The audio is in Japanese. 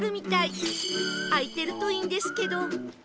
開いてるといいんですけど